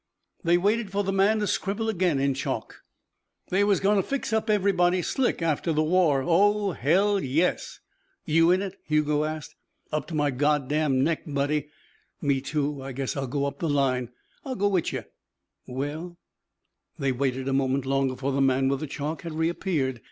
They waited for the man to scribble again in chalk. "They was goin' to fix up everybody slick after the war. Oh, hell, yes." "You in it?" Hugo asked. "Up to my God damned neck, buddy." "Me, too. Guess I'll go up the line." "I'll go witcha." "Well " They waited a moment longer, for the man with the chalk had reappeared.